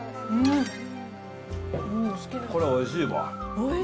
これ、おいしいわ。